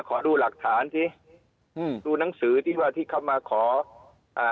ขอดูหลักฐานสิอืมดูหนังสือที่ว่าที่เขามาขออ่า